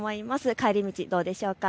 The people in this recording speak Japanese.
帰り道どうでしょうか。